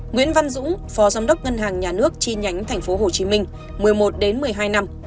nguyễn văn dũng phó giám đốc ngân hàng nhà nước chi nhánh tp hcm một mươi một đến một mươi hai năm